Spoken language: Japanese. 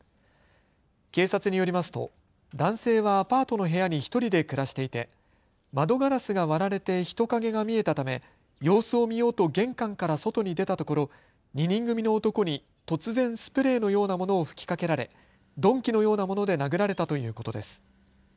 警察によりますと男性はアパートの部屋に１人で暮らしていて窓ガラスが割られて人影が見えたため様子を見ようと玄関から外に出たところ２人組の男に突然、スプレーのようなものを吹きかけられ鈍器のようなもので殴られたということです。